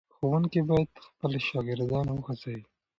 ښوونکي باید خپل شاګردان وهڅوي.